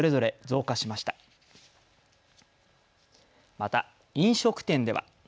また、飲食店では。